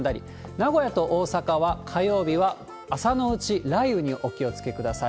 名古屋と大阪は火曜日は朝のうち、雷雨にお気をつけください。